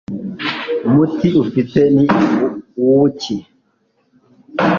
umuti ufite ni uwuki